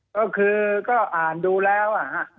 ก็คือก็อ่านดูแล้ว